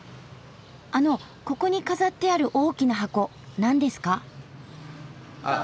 あのここに飾ってある大きな箱なんですか？